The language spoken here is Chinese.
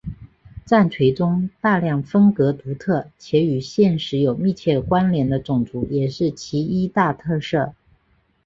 战锤中大量风格独特且与现实有密切关联的种族也是其一大特色。